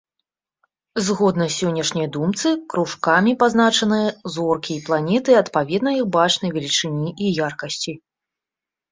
Згодна сённяшняй думцы, кружкамі пазначаны зоркі і планеты, адпаведна іх бачнай велічыні і яркасці.